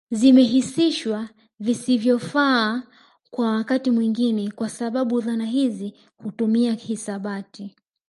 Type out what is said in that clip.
Zimerahisishwa visivyofaaa kwa wakati mwingine kwa sababu dhana hizi hutumia hisabati